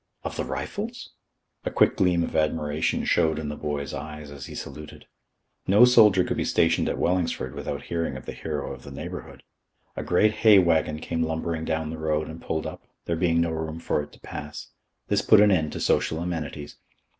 "Of the Rifles?" A quick gleam of admiration showed in the boy's eyes as he saluted. No soldier could be stationed at Wellingsford without hearing of the hero of the neighbourhood. A great hay waggon came lumbering down the road and pulled up, there being no room for it to pass. This put an end to social amenities.